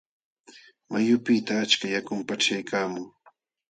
Wayqupiqta achka yakum paqchaykaamun.